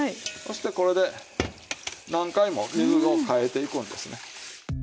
そしてこれで何回も水を替えていくんですね。